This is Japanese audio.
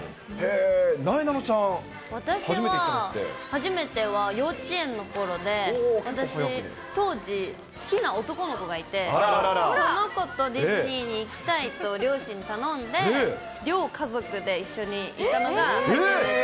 なえなのちゃん、初めて行ったの私は、初めては幼稚園のころで、私、当時、好きな男の子がいて、その子とディズニーに行きたいと両親に頼んで、両家族で一緒に行ったのが初めて。